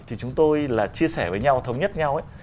thì chúng tôi là chia sẻ với nhau thống nhất nhau